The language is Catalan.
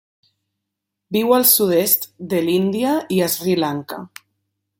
Viu al sud-est de l'Índia i a Sri Lanka.